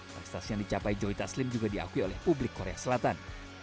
prestasi yang dicapai joy taslim juga diakui oleh publik korea selatan